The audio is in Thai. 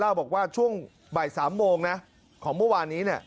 บอกว่าช่วงบ่าย๓โมงนะของเมื่อวานนี้